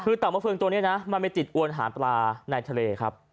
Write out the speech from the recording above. คือเต่ามะเฟืองตัวนี้นะมันไปติดอวนหาปลาในทะเลครับ